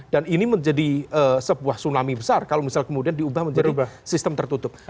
dan ini menjadi sebuah tsunami besar kalau misal kemudian diubah menjadi sistem tertutup